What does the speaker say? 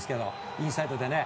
インサイドでね。